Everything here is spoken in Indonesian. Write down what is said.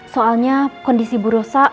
soalnya kondisi bu rosa